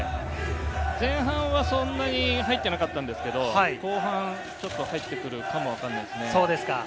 前半はそんなに入っていなかったんですけど、後半ちょっと入ってくるかもわからないですね。